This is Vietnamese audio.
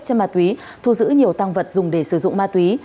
chất ma túy thu giữ nhiều tăng vật dùng để sử dụng ma túy